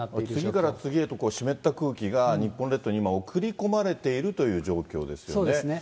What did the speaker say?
次から次へと湿った空気が日本列島に今、送り込まれているという状況ですね。